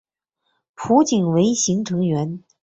浦井唯行成员。